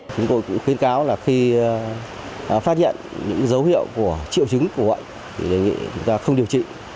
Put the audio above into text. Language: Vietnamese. chúng tôi cũng khuyến cáo là khi phát hiện những dấu hiệu của triệu chứng của bệnh thì đề nghị chúng ta không điều trị